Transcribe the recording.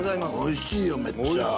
おいしいよめっちゃ。